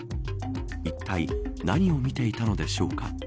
いったい何を見ていたのでしょうか。